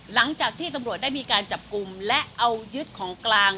หลังจากที่ตำรวจได้มีการจับกลุ่มและเอายึดของกลาง